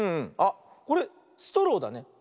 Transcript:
あっこれストローだね。